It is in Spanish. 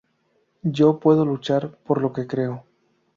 Yo puedo luchar por lo que creo.